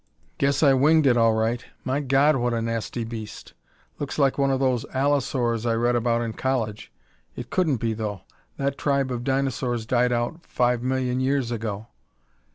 "Guess I winged it all right! My God, what a nasty beast! Looks like one of those allosaurs I read about in college. It couldn't be, though that tribe of dinosaurs died out five million years ago."